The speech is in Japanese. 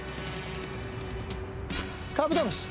カブトムシ。